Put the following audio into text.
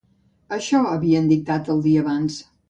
Això havien dictat el dia abans.